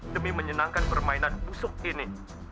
demi menyenangkan permainan busuk ini